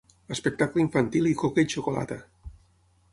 Espectacle infantil i coca i xocolata.